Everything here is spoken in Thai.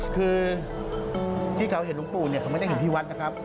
คือที่เขาเห็นหลวงปู่เนี่ยเขาไม่ได้เห็นที่วัดนะครับ